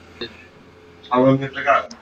যা বলেছেন সব শুনেছি!